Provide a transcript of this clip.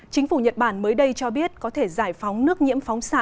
chính phủ nhật bản mới đây cho biết có thể giải phóng nước nhiễm phóng xạ